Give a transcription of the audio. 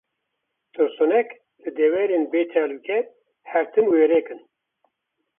Tirsonek, li deverên bêtalûke her tim wêrek in.